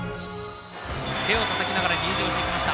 手をたたきながら入場してきました